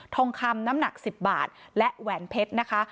ทองคำน้ำหนัก๑๐บาทและแหวนเพชรนะคะ